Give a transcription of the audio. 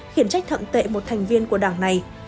khiển trách thậm tệ một thành viên của đảng này